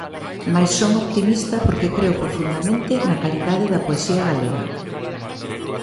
Mais son optimista porque creo profundamente na calidade da poesía galega.